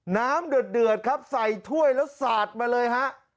น้ำเดือดครับใส่ถ้วยแล้วสาดมาเลยครับ